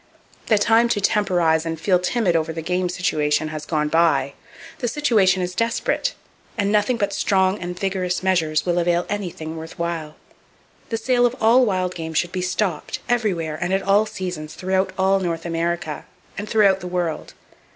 The time to temporize and feel timid over the game situation has gone by. The situation is desperate; and nothing but strong and vigorous measures will avail anything worth while. The sale of all wild game should be stopped, everywhere and at all seasons, throughout all North America, and throughout the world.